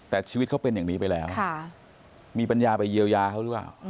แต่ชีวิตเขาเป็นอย่างนี้ไปแล้วมีปัญญาไปเยียวยาเขาหรือเปล่า